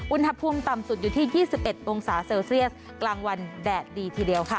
อุณหภูมิต่ำสุดอยู่ที่๒๑องศาเซลเซียสกลางวันแดดดีทีเดียวค่ะ